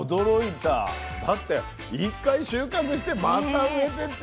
だって１回収穫してまた植えてって。